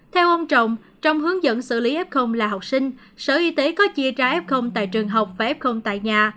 theo ông trọng trong hướng dẫn xử lý f là học sinh sở y tế có chia ra f tại trường học và f tại nhà